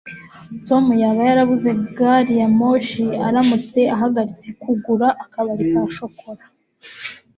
tom yaba yarabuze gari ya moshi aramutse ahagaritse kugura akabari ka shokora